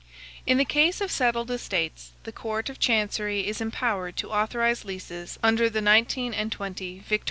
In the case of settled estates, the court of Chancery is empowered to authorize leases under the 19 & 20 Vict.